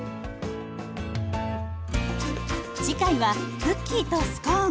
次回はクッキーとスコーン。